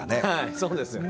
そうですよね。